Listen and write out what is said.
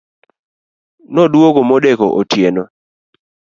Noduogo modeko otieno